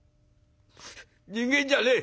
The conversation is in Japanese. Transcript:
人間じゃねえ。